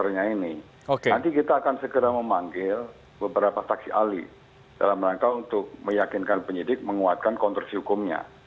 nanti kita akan segera memanggil beberapa saksi ahli dalam rangka untuk meyakinkan penyidik menguatkan konstruksi hukumnya